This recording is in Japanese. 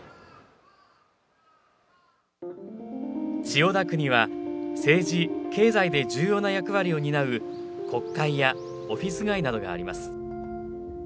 千代田区には政治、経済で重要な役割を担う国会やオフィス街などがあります。